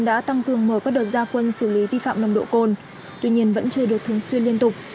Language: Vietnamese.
các trường hợp lái xe vi phạm nồng độ cồn tuy nhiên vẫn chưa được thường xuyên liên tục